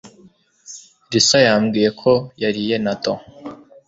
Lisa yambwiye ko yariye natto